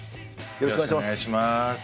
よろしくお願いします。